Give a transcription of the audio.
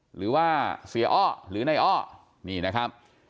หรือว่าเสียอ้อหรือในอ้อนี่นะครับ